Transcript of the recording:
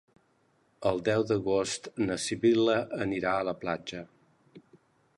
El deu d'agost na Sibil·la anirà a la platja.